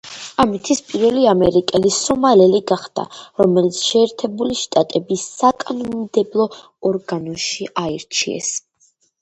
ამით ის პირველი ამერიკელი სომალელი გახდა, რომელიც შეერთებული შტატების საკანონმდებლო ორგანოში აირჩიეს.